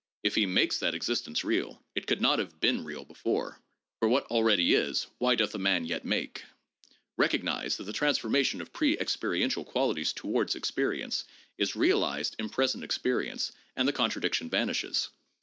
If he makes that existence real, it could not have been real before ; for what already is, why doth a man yet make ? Recognize that the transformation of pre experiential qualities towards experience " is realized in present experience, and the contradiction vanishes.